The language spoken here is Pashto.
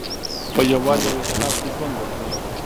په یووالي او اتحاد کې ژوند وکړئ.